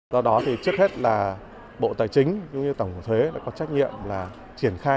do đó thì trước hết là bộ tài chính cũng như tổng cục thuế đã có trách nhiệm là triển khai